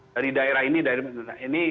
dari daerah ini dari daerah itu